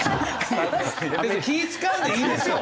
別に気ぃ使わんでいいですよ！